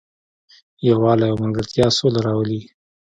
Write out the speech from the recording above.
یووالی او ملګرتیا سوله راولي.